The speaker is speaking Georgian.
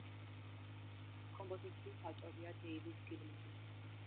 კომპოზიციის ავტორია დეივიდ გილმორი.